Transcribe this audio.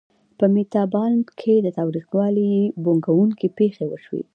په میتابالنډ کې د تاوتریخوالي بوږنوونکې پېښې وشوې.